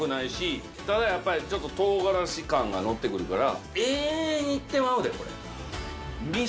ただちょっと唐辛子感がのってくるから。